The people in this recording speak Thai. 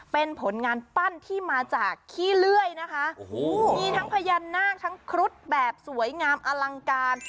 เป็นผลงานปั้นที่มาจากขี้เลื่อยนะคะโอ้โหมีทั้งพญานาคทั้งครุฑแบบสวยงามอลังการ